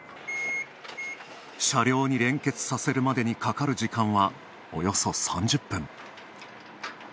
車両に連結させるまでにかかる時間はおよそ３０分。